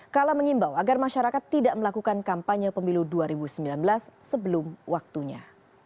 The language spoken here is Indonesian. kala mengimbau agar masyarakat tidak melakukan kampanye pemilu dua ribu sembilan belas sebelum waktunya